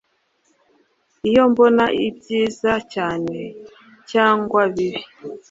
Ibyo mbona byiza cyane, cyangwa bibi,